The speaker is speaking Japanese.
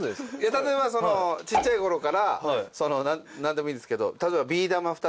例えばそのちっちゃいころから何でもいいんですけど例えば。